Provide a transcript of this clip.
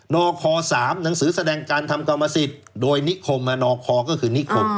นค๓หนังสือแสดงการทำกรรมสิทธิ์โดยนิคมนคก็คือนิคม